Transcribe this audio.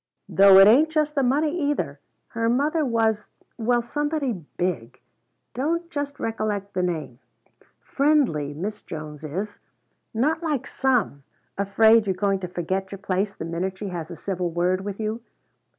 "Though it ain't just the money, either. Her mother was well, somebody big don't just recollect the name. Friendly, Miss Jones is. Not like some, afraid you're going to forget your place the minute she has a civil word with you.